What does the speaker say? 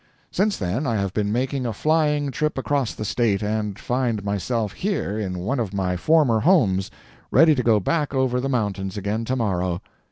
Since then, I have been making a flying trip across the State, and find myself here, in one of my former homes, ready to go back over the mountains again tomorrow.